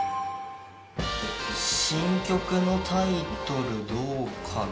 「新曲のタイトルどうかな？」。